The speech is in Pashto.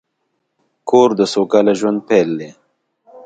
کور د سوکاله ژوند پیل دی.